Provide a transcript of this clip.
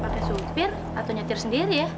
pakai supir atau nyetir sendiri ya